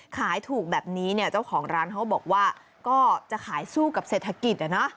ขายถูกแบบนี้เนี่ยเจ้าของร้านเขาบอกว่าก็จะขายสู้กับเศรษฐกิจ